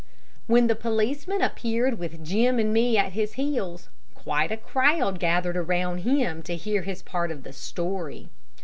When the policeman appeared with Jim and me at his heels, quite a crowd gathered around him to hear his part of the story.